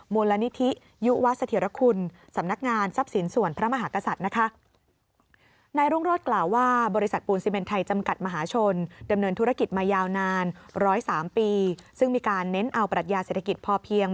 มุลนิธิยุวัฒน์เสถียรคุณสำนักงานทรัพย์สินส่วนพระมหากษัตริย์